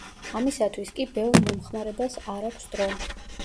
ამისათვის კი ბევრ მომხმარებელს არ აქვს დრო.